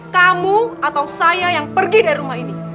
kamu atau saya yang pergi dari rumah ini